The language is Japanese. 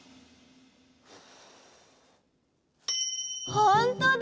ほんとだ！